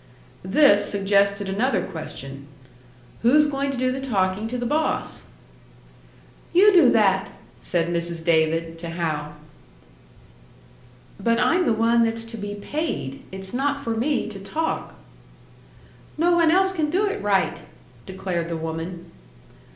This suggested another question. "Who's going to do the talking to the boss?" "You do that," said Mrs. David, to Hal. "But I'm the one that's to be paid. It's not for me to talk." "No one else can do it right," declared the woman.